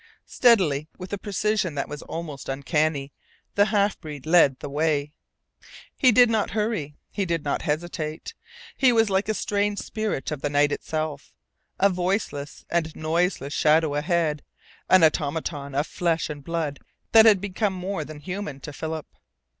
Steadily with a precision that was almost uncanny the half breed led the way. He did not hurry, he did not hesitate. He was like a strange spirit of the night itself, a voiceless and noiseless shadow ahead, an automaton of flesh and blood that had become more than human to Philip.